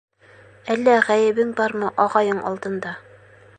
Әллә ғәйебең бармы ағайың алдында?